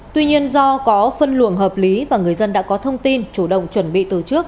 tuy nhiên do có phân luồng hợp lý và người dân đã có thông tin chủ động chuẩn bị từ trước